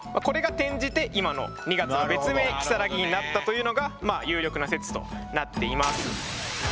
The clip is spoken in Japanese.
これが転じて今の２月の別名如月になったというのが有力な説となっています。